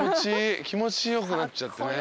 気持ち良くなっちゃってね。